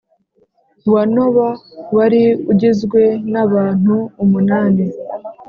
wa Nowa wari ugizwe n abantu umunani